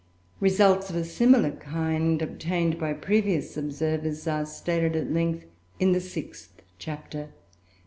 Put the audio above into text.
Results of a similar kind, obtained by previous observers, are stated at length in the sixth chapter, pp.